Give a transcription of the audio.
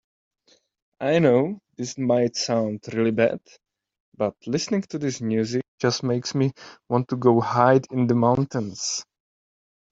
I know this might sound really bad, but listening to this music just makes me want to go hide in the mountains.